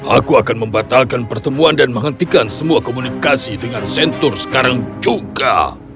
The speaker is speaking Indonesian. aku akan membatalkan pertemuan dan menghentikan semua komunikasi dengan sentur sekarang juga